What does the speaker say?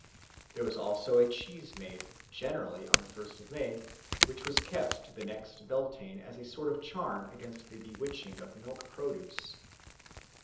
There was also a cheese made, generally on the first of May, which was kept to the next Beltane as a sort of charm against the bewitching of milk produce.